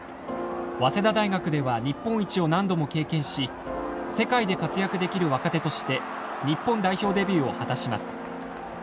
早稲田大学では日本一を何度も経験し世界で活躍できる若手として日本代表デビューを果たします。